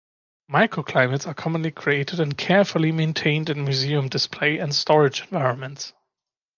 Microclimates are commonly created and carefully maintained in museum display and storage environments.